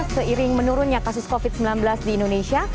seiring menurunnya kasus covid sembilan belas di indonesia